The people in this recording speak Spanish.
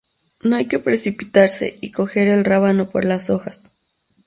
No hay que precipitarse y coger el rábano por las hojas